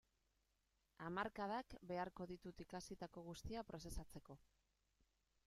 Hamarkadak beharko ditut ikasitako guztia prozesatzeko.